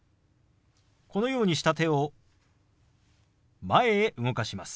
このようにした手を前へ動かします。